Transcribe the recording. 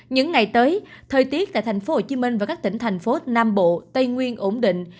những ngày tới thời tiết tại thành phố hồ chí minh và các tỉnh thành phố nam bộ tây nguyên ổn định